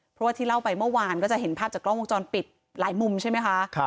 เพราะว่าที่เล่าไปเมื่อวานก็จะเห็นภาพจากกล้องวงจรปิดหลายมุมใช่ไหมคะ